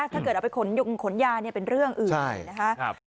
ถ้าเกิดเอาไปขนยาเนี้ยเป็นเรื่องอื่นนะคะใช่ครับ